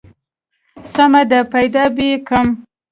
سمه ده پيدا به يې کم.